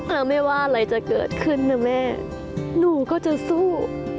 แล้วไม่ว่าอะไรจะเกิดขึ้นนะแม่หนูก็จะสู้